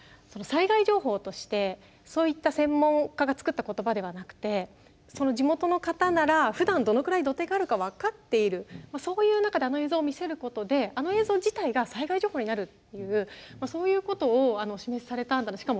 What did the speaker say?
災害情報としてそういった専門家が作った言葉ではなくて地元の方ならふだんどのくらい土手があるか分かっているそういう中であの映像を見せることであの映像自体が災害情報になるっていうそういうことを示されたんだな。